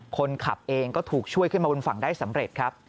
คนขับเองก็ถูกช่วยขึ้นมาบนฝั่งได้สำเร็จครับ